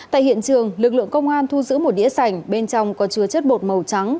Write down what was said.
tại hiện trường lực lượng công an thu giữ một đĩa sành bên trong có chứa chất bột màu trắng